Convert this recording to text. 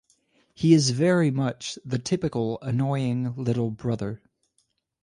He is very much the typical annoying little brother.